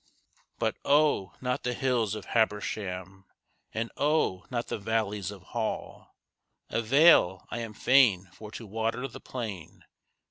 But oh, not the hills of Habersham, And oh, not the valleys of Hall Avail: I am fain for to water the plain.